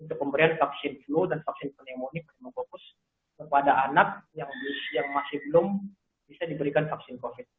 untuk pemberian vaksin flu dan vaksin pneumonia memang fokus kepada anak yang masih belum bisa diberikan vaksin covid